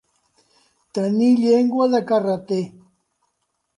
Tenir llengua de carreter.